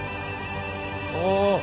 ああ。